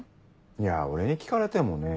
いや俺に聞かれてもね。